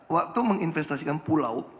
waktu menginvestasikan pulau